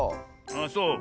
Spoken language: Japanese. あっそう。